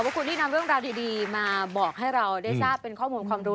ขอบคุณที่นำเรื่องราวดีมาบอกให้เราได้ทราบเป็นข้อมูลความรู้